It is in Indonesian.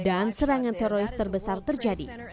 dan serangan teroris terbesar terjadi